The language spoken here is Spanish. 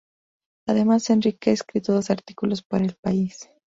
Además Enrique ha escrito dos artículos para el País.